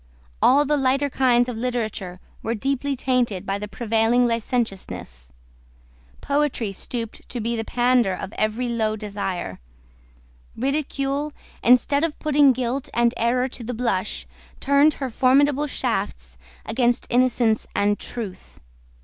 All the lighter kinds of literature were deeply tainted by the prevailing licentiousness. Poetry stooped to be the pandar of every low desire. Ridicule, instead of putting guilt and error to the blush, turned her formidable shafts against innocence and truth.